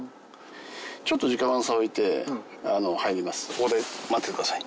ここで待っててください。